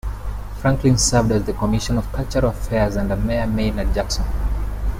Franklin served as the Commissioner of Cultural Affairs under Mayor Maynard Jackson.